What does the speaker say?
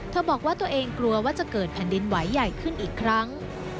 บอกว่าตัวเองกลัวว่าจะเกิดแผ่นดินไหวใหญ่ขึ้นอีกครั้ง